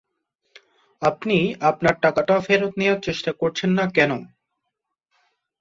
আপনি আপনার টাকাটা ফেরত নেওয়ার চেষ্টা করছেন না কেন?